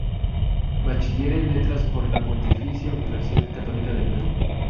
Bachiller en letras por la Pontificia Universidad Católica del Perú.